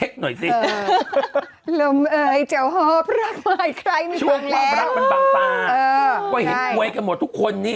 ก็เห็นมวยกันหมดทุกคนนี้